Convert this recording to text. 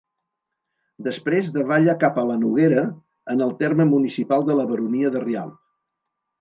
Després davalla cap a la Noguera, en el terme municipal de la Baronia de Rialb.